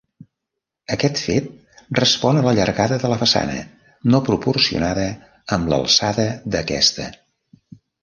Aquest fet respon a la llargada de la façana, no proporcionada amb l'alçada d'aquesta.